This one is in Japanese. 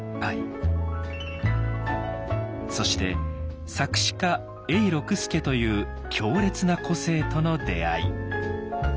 そして作詞家永六輔という強烈な個性との出会い。